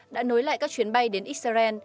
đã nối lại các chuyến bay đến israel